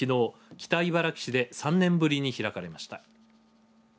北茨城市で３年ぶりに開かれました。